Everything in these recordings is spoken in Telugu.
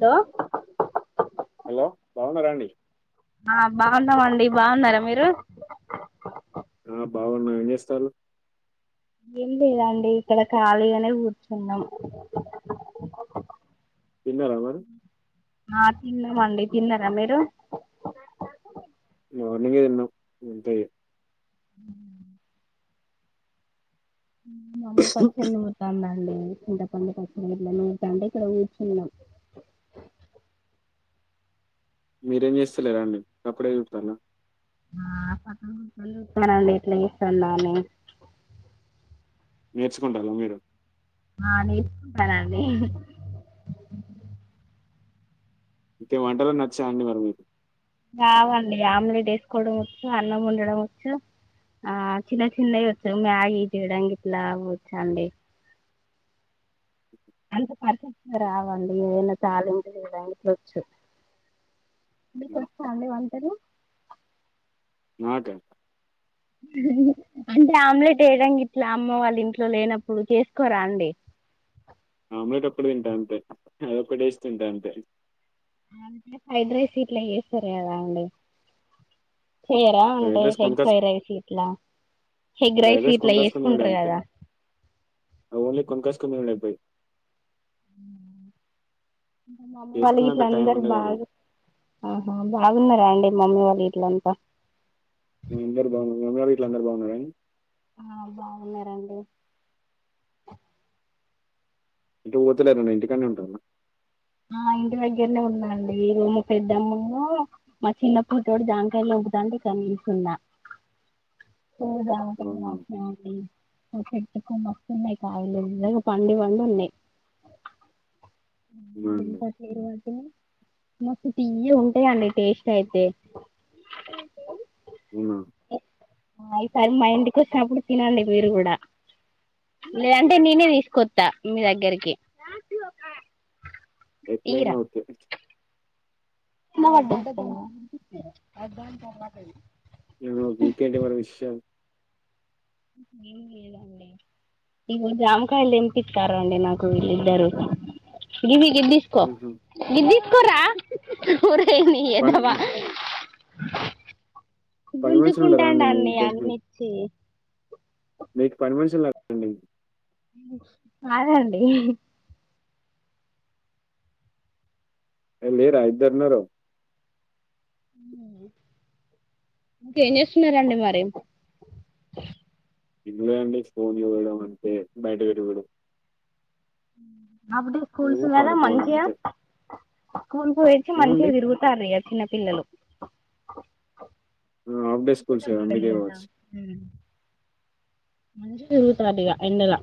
దా హలో బాగున్నారాఅండి ఆ బాగున్నామండి బాగున్నారా మీరు ఆ బాగున్నా ఏం చేస్తాళ్ళు ఏం లేదండి ఇక్కడ ఖాళీగానే కూర్చున్నాం తిన్నారా మరి ఆ తిన్నామండి తిన్నారా మీరు మార్నింగే తిన్నాం అంతే ఇగ [inaudible] మమ్మీ పచ్చడి నూరుతాంది అండి ఉ చింతపండు పచ్చడి గిట్ల నూరుతాంటే ఇక్కడ కూర్చున్నాము మీరేం చేస్తలేరా అండి తప్పుడే చూతల్ల ఆ పక్కన కూర్చొని చూత్తాన అండి ఎట్లా చేస్తాంది అని నేర్చుకుంటాలా మీరు ఆ నేర్చుకుంటాన అండి ఇంకా ఏం వంటలు అన్ని వచ్చా అండి మరి మీకు రావండి ఆమ్లెట్ ఏసుకోవడం వచ్చు అన్నం వండడం వచ్చు ఆ చిన్న చిన్నవి వచ్చు మ్యాగీ చేయడం గీట్లా వచ్చు అండి అంత పర్ఫెక్ట్గా రావండి ఏదైనా తాలింపు చేయడానికి వచ్చు మీకొచ్చా అండి వంటలు మాట అంటే ఆమ్లెట్ వేయడాం గీట్లా అమ్మ వాళ్ళు ఇంట్లో లేనప్పుడు చేసుకోరా అండి ఆమ్లెట్ ఒక్కటీ తింటా అంతే అదొక్కటేసి తింటా అంతే ఆ అంటే ఫ్రైడ్ రైస్ ఇట్లా జెస్తారు కదా అండి చేయరా అంటే ఫ్రైడ్ రైస్ ఎగ్ కొనుకాసు ఫ్రైడ్ రైస్ గిట్ల హెగ్ ఫ్రైడ్ రైస్ గిట్లా కొనుకాసుకుని చేసుకుంటారు అంతే కదా ఓన్లీ కొనుకొచ్చుకొని తిను డే పోయి ఉ మమ్మీ వాళ్ళ గిట్ల చేసుకునేంత టైం అందరు ఉండదు అది బాగు ఆహా బాగున్నారా అండి మమ్మీ వాళ్ళ గిట్ల అంత మేం అందరు బాగున్నామ మీ మమ్మీ వాళ్ళ గిట్ల అందరు బాగున్నారన ఆ బాగున్నారండీ ఎటు పోతలేరుండి ఇంటికనే ఉంటాలా ఆ ఇంటి దగ్గరనే ఉన్నాండి ఈ రోజు పెద్దమ్మును మా చిన్న కూతురు జాంకాయలు తే తెంపుతా అంటే కడిగిస్తున్న [inaudible] ఫుల్లు జామకాయలు అవునా కాసినయ్యండి మా చేట్టుకు మాస్తున్నాయి కాయాలు నిజంగా పండు పండి ఉన్నాయి [inaudible] అవునా ఎవరు అండి? తెంపట్లేరు వాటిని మస్తు తీయ్యగుంటయండి టేస్ట్ అయితే [inaudible] అ ఈ సారి మా ఇంటికి వచ్చినప్పుడు తినండి మీరు కూడా లేదంటే నేనే తీసుకొస్తా మీ దగ్గరికి ఎట్లైనా ఈరా ఓకే [unintelligible] లేవకు ఇకేంటి మరో విషయలు ఏం లేదు అండి ఈగో జామకాయల తెపితారు అండి వీళ్ళిద్దరూ గిద్ది తీసుకో గిద్దిస్కోరా పండు పని మనుషులు ఉండరా గుంజుకుంటాండండి అండి మీ అన్ని ఇద్దరికీ అన్ని ఇచ్చి నీకు పని మనుషులు ఉన్నారా అండి ఆగ అండి ఏ లేరా ఇద్దరు ఉన్నారు ఇంకేం చేస్తున్నారండి మరి ఏం లే అండి ఫోన్ చూడడం అంతే బయట తిరుగుడు అఫ్ డే స్కూల్స్ నువ్వు కదా పడుకోవడం మంచిగా అంతే. స్కూల్ కు పోయేచ్చి ఆ! మంచిగా అండి. తిరుగుతారు ఇగ చిన్న పిల్లలు ఆ! హాఫ్ డే స్కూల్స్ ఇప్పుడే పాడిలు అందుకే కదా కావచ్చు. మంచిగా తిరుగుతారు ఇగ ఎండల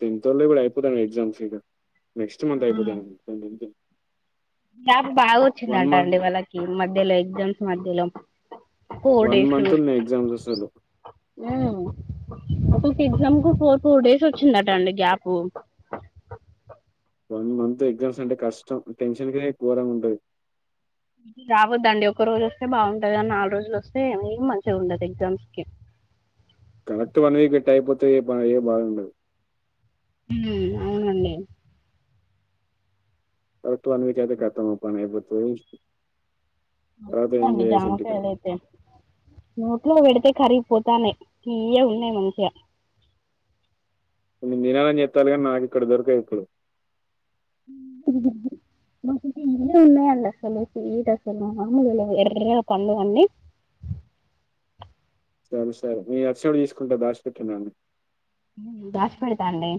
టెన్త్ ఓలయే కూడా అయిపోతానాయి ఎగ్జామ్స్ ఇగ నెక్స్ట్ మంత్ అయిపోతే అనుకుంటా [inaudible] గ్యాబ్ బాగా వచ్చిందంట మంత్ అండి వాళ్ళకి మధ్యలో ఎగ్జామ్స్ మధ్యలో ఫోర్ డేస్ మంత్ ఉహు ఉన్నయి ఎగ్జామ్స్ అసలు. ఒక్కొక్క ఎగ్జామ్స్ కి ఫోర్ ఫోర్ డేస్ వచ్చిందటండి గ్యాప్ వన్ మంత్ ఎగ్జామ్స్ అంటే కష్టం టెన్షన్ కే గోరంగా ఉంటది రావద్దండి ఒక రోజు వస్తే బాగుంటది కానీ నాలుగు రోజులు వస్తే ఏం మంచిగా ఉండదు ఎగ్జామ్స్ కి కరెక్ట్ వన్ వీక్ ఎట్టా అయిపోతే ఏ ఇబ్బ ఎ బాధ ఉండదు హు అవునండి అవుత్వ మీటయితే కట్టము అబ్బ రేపటి రోజు అండి జామకాయలైతే, నోట్లో వెడితే కరిగిపోతాన్నై, తీయగున్నయ్ మంచిగా. కొన్ని తినమని చెప్తాల్లు గని నాకు ఇక్కడ దొరకయి ఇప్పుడు. మ్మ్మ్మ్ మాకు ఫుల్లు ఉన్నాయండి అసలు, స్వీటు అసలు, మామూలుగ లేవ్ ఎర్రగా పండు అన్నీ సరే సరే నేనచ్చినపుడు తీసుకుంట దాశిపెట్టు నాకు. దాచి పెడతాండి.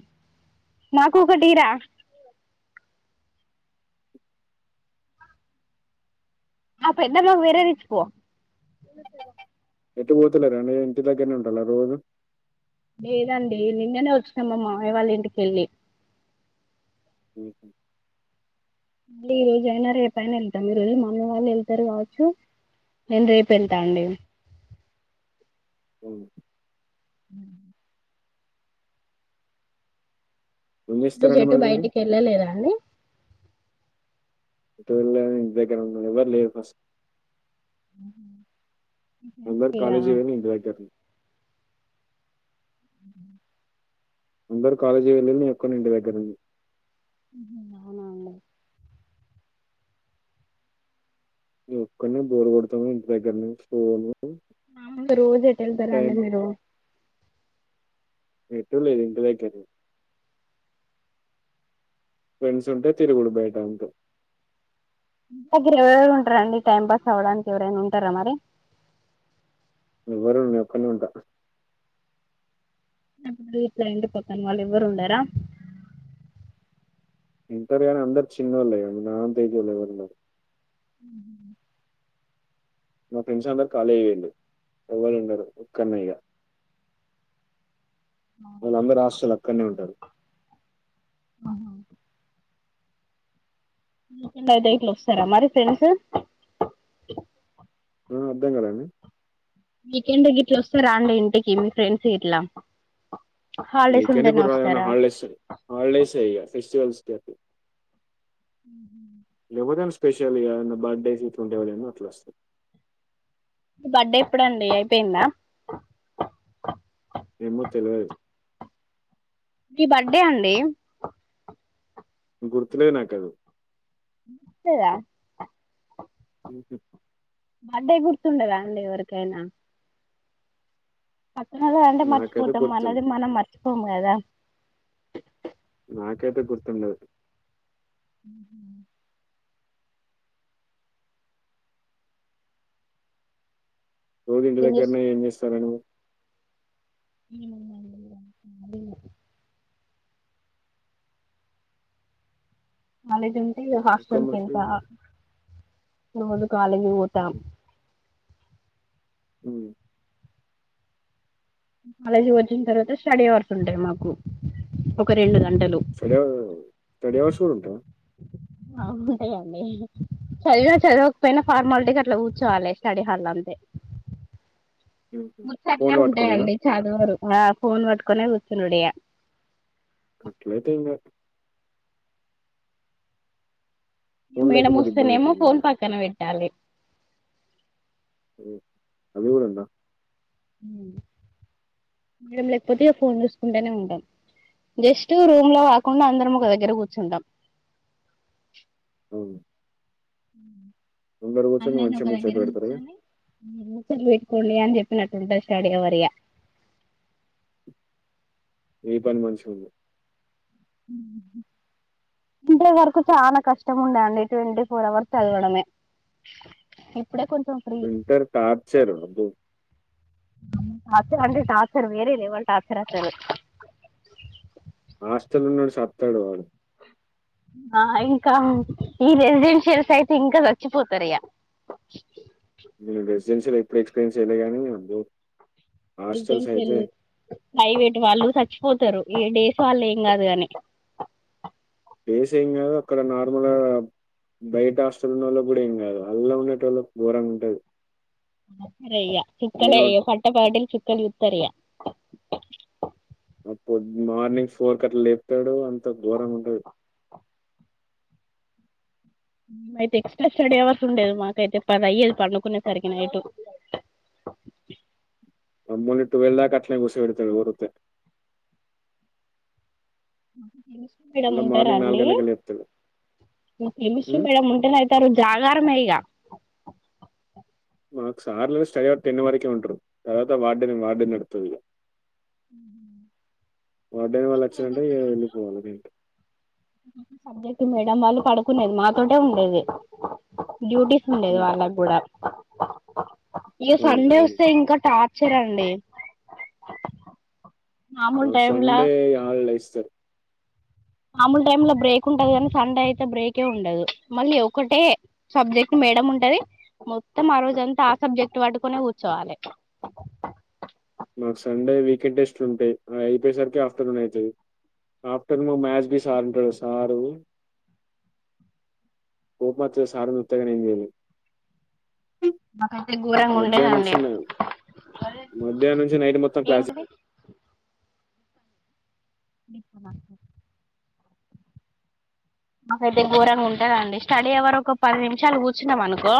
అప ఎ మాకు వర ఎచి పో ఎటు పోతలేర అండి, ఇంటి దగ్గరనే ఉంటాల్లా రోజు? లేదండి నిన్నేనే వచ్చినం మా మావయ్య వాళ్ళ ఇంటికెళ్ళి. మ్మ్. మళ్ళీ ఈ రోజయినా రేపయినా వెళ్తాం, ఈరోజు మమ్మీ వాళ్ళు వెళ్తరు కావచ్చు. నేను రేపెళ్తా అండి. అవును. ఉమ్ ఏం నటు చేస్తారండి చెట్టు మరి మీరు బయటికి ఎళ్ళలేదా అండి? చూల్లే ఇంటి దగ్గర ఉన్నా, ఎవ్వరు లేరు ఫస్ట్ అందారు మీరా కాలేజ్ వోన్ ఇంటి దగ్గరనే అందరు కాలేజీ వెళ్లిర్రు నేనొక్కన్నే ఇంటి దగ్గరున్న. ఉహు అవునా అండి. ఒక్కడినే బోరు కొడతా ఇంటి దగ్గర్నే స్ని రోజు ఎట్ ఎళ్తారండి మీరు? ఎటు లేదు ఇంటి దగ్గర్నే ఫ్రెండ్స్ ఉంటే తిరుగుడు బయట అంతే. టి దగ్గర ఎవరెవరు ఉంట రండి, టైం పాస్ అవ్వడానికి ఎవరైనా ఉంటరా మరి? వరు నేనొక్కన్నే ఉంట. ఇట్లా ఇంటి పక్కన వాళ్లు ఎవరు ఉండరా? ఉంటరు కానీ అందరు చిన్నోల్లె అండి, నా అంత ఏజ్ వాళ్ళు ఎవరున్నరు. మా ఫ్రెండ్స్ అందరూ కాలేజ్ పోయిల్లు, ఎవలు ఉండరు ఒక్కన్నే ఇగ వాళ్ళు అందరూ హాస్టల్ అక్కన్నే ఉంటరు. అయితే ఇట్ల వస్తరా మరి ఫ్రెండ్స్? ఆ అర్థం కాలే అండి. వీకెండ్ గిట్లా ఓస్తారా అండి ఇంటికి మీ ఫ్రెండ్స్ గిట్లా? వీకెండ్ కి రారు గని హాలిడేస్, హాలిడేసే ఇగ ఫెస్టివల్స్ ఉహు లేకపోతే ఏమన్న స్పెషల్ ఇగ, ఏమన్న బర్త్డేస్ ఇట్ల ఉంటే ఎవలైన వస్తరు. బర్త్డే ఎప్పుడండి అయిపోయిందా? ఏమో తెల్వది మీ బర్డే అండి. గుర్తులేదు నాకది. లేదా [inaudible] బర్డే గుర్తుండదా అండి ఎవరికైనా? పక్కనోళ్లది అంటే నాకైతే మర్చిపోతం, మనది గుర్తుండదు మర్చిపోము కదా. నాకేతే గుర్తుండదు. ఉహు రోజు ఇంటి దగ్గరనే ఏం చేస్తారండి. ఏముందండిగ కాలేజ్ ఉంటే ఒక్క హాస్టల్కి మనిషి ఎల్త, ఆ కాలేజ్ వోత ఉ కాలేజీ వచ్చిన తర్వాత స్టడీ అవర్స్ ఉంటాయి మాకు ఒక రెండు గంటలు స్టడీ అవర్ థర్డీ అవర్స్ కూడా ఉంటాయ అ ఉంటాయి అండి చదిగా చదవకపోయినా ఫార్మాలిటీకి అట్లా కూర్చోవాలి స్టడీ హాల్ లో అంతే [inaudible] ముచ్చట్లే ఫోన్లు పట్టుకోనేనా ఉంటాయండి చదువరు ఆ ఫోన్ పట్టుకనే కూర్చనుడియా అట్లయితే ఇంగ ఫోన్ మేడం లేకపోతే ఇబ్బంది వస్తేనేమో అవుతుంది ఫోన్ కదా పక్కన పెట్టాలి ఉ అది కూడా ఉందా ఉ లేకపోతే ఫోన్ చూసుకుంటేనే ఉంటాం జస్ట్ రూమ్ లో కాకుండా అందరం ఒక దగ్గర కూర్చుంటాం అవును ఉ అందరు కూర్చొని అందరినీ మంచిగా ఒక దగ్గర ముచ్చట్లు పెడతారు కదా. కూర్చొని ముచ్చట్లు పెట్టుకోండి ఇగ అని చెప్పినట్టు ఉంటది స్టడీ ఆవర్ ఇగ మీ పని మంచిగుంది ఉహు ఇంత వరకు చాలా కష్టం ఉండండి ట్వంటీ ఫోర్ అవర్స్ చదవడమే [inaudible] ఇప్పుడే కొంచెం ఫ్రీ ఇంటర్ టార్చర్ అబ్బో టార్చర్ అంటే టార్చర్ వేరే లేవల్ టార్చర్ అసలు హాస్టల్ లో ఉన్నోడు సత్తాడు వాడు ఆ ఇంకా ఈ రెసిడెన్షియల్స్ అయితే ఇంకా చచ్చిపోతారు ఇగ [unintelligible] నేను రెసిడెన్సియల్ ఎప్పుడు ఎక్స్పీరియన్స్ చేయలే కానీ రెసిడెన్షియల్ ప్రైవేట్ వాళ్ళు చచ్చిపోతారు ఏ డేస్ వాళ్ళు ఏం కాదు కాని డేస్ ఎమ్ కాదు అక్కడ నార్మలా బయట హాస్టల్ ఉన్నళ్ళ కూడా ఏం కాదు అల్ల్లో ఉన్నటోల్లు ఘోరంగా ఉంటది అయ్య చుక్కలే నేను ఇగ పట్టపాటిల్ చుక్కలు చుత్తారు ఇగ పొద్ మార్నింగ్ ఫోర్ కట్లా లేపుతాడు అంత ఘోరంగా ఉంటది ఉ మేమైతే ఎక్స్ట్రా స్టడీ అవర్స్ ఉండేది మాకి అయితే పది అయ్యేది పండుకునేసరికి నైట్ మమ్మల్ని టువల్ దాకా అట్లే కూర్చోబెడతాడు వర్లితే కెమిస్ట్రీ మేడం మళ్ళా ఉంటారా మార్నింగ్ అండి గంటలకే లేపుతాడు. కెమిస్ట్రీ హ్మ్. మేడం ఉంటె ఆరోజు జాగారమే ఈగా మాకు సార్లు స్టడీ అ టెన్ వరకే ఉంటారు తర్వాత వార్డని వార్డెన్ నడుతుంది ఇగా ఉహు వార్డెన్ వాళ్ళు వచ్చింటే వెళ్ళిపోవాలి ఇగ సబ్జెక్ట్ మేడం వాళ్ళు పడుకునేది మాతోటే ఉండేది డ్యూటీస్ ఉండేది హ్మ్. వాళ్ళకి కూడా ఇక అవును. సండే అవును. వస్తే ఇంకా టార్చర్ అండి మామూలు మాకు టైమ్లా సండే హాల్ డే ఇస్తారు మామూలు టైమ్ లో బ్రేక్ ఉంటదు కానీ సండే అయితే బ్రేకే ఉండదు మళ్ళీ ఒకటే సబ్జెక్ట్ మేడం ఉంటది మొత్తం ఆ రోజ అంతా ఆ సబ్జెక్ట్ పట్టుకునే కూర్చోవాలి మాకు సండే వీకెండ్ టెస్ట్ లు ఉంటాయి అయిపోయసరికి ఆఫ్టర్నూన్ అయతది ఆఫ్టర్నూన్ మ్యాచ్ బి సార్ ఉంటాడు సారు కోపం వచ్చాది సార్ నీ చుత్త గానీ ఎమ్ చేయలేం మాకైతె మధ్యాహ్నంచ్చిన్ నేను మధ్యాహ్నుంచి నైట్ మొత్తం క్లాసి ఏంటిది ఇ కున్న నే మాకైతే ఘోరంగుంటదండి స్టడీ అవరు ఒక పది నిమిషాలు కూర్చున్నాం అనుకో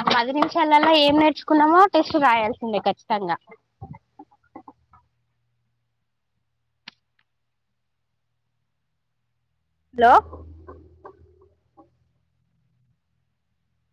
ఆ పది నిమిషాలల్ల ఏం నేర్చుకున్నమో టెస్ట్ రాయాల్సిందే ఖచ్చితంగా అ లో